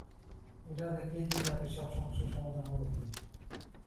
এটা দেখলেই কি জাতির সব সমস্যার সমাধান হবে?